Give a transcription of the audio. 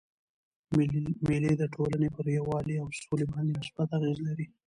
مېلې د ټولني پر یووالي او سولي باندي مثبت اغېز لري.